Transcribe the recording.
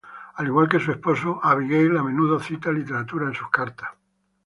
Al igual que su esposo, Abigail a menudo cita literatura en sus cartas.